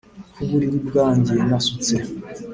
ku buriri bwanjye nasutse